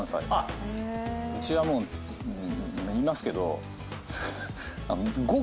うちはもう言いますけど。